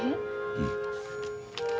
うん。